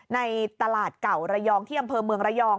ในตลาดเก่าระยองที่อำเภอเมืองระยอง